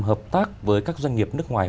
hợp tác với các doanh nghiệp nước ngoài